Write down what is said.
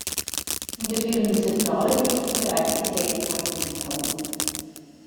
In der Firmenzentrale dürften bereits die Sektkorken knallen.